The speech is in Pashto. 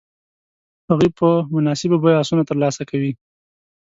هغوی په مناسبو بیو آسونه تر لاسه کوي.